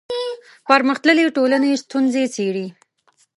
پرمختللې ټولنې ستونزې څېړي